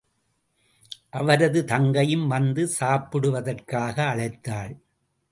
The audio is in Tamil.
அவரது தங்கையும் வந்து சாப்பிடுவதற்காக அழைத்தாள்.